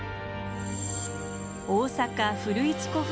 大阪・古市古墳